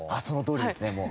そのとおりですね